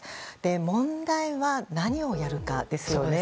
問題は、何をやるかですよね。